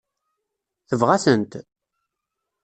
Tebɣa-tent?